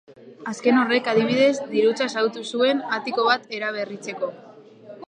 Azken horrek, adibidez, dirutza xahutu zuen atiko bat eraberritzeko.